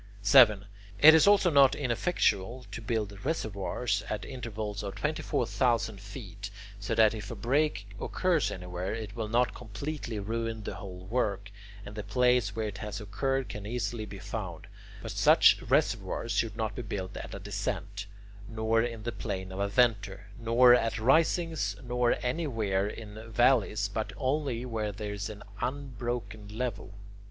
7. It is also not ineffectual to build reservoirs at intervals of 24,000 feet, so that if a break occurs anywhere, it will not completely ruin the whole work, and the place where it has occurred can easily be found; but such reservoirs should not be built at a descent, nor in the plane of a venter, nor at risings, nor anywhere in valleys, but only where there is an unbroken level.